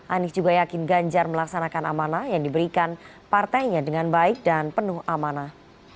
anies juga yakin ganjar melaksanakan amanah yang diberikan partainya dengan baik dan penuh amanah